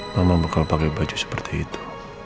mama bakal pake baju seperti itu